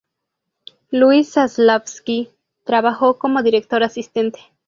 Luis Saslavsky trabajó como director asistente.